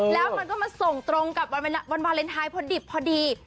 แล้วมันก็มาส่งตรงกับวันวาเลนไทยพอดิบพอดี